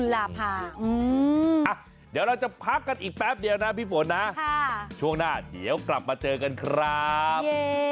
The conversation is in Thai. เดี๋ยวเราจะพักกันอีกแป๊บเดียวนะพี่ฝนนะช่วงหน้าเดี๋ยวกลับมาเจอกันครับ